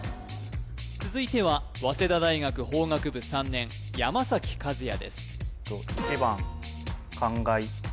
続いては早稲田大学法学部３年山和哉です